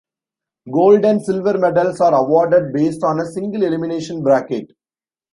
Gold and silver medals are awarded based on a single elimination bracket.